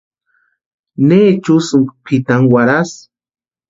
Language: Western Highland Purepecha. ¿Necha úsïnki pʼitani warhasï?